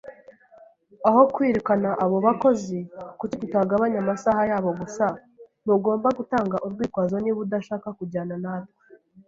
Aho kwirukana abo bakozi, kuki tutagabanya amasaha yabo gusa? Ntugomba gutanga urwitwazo niba udashaka kujyana natwe.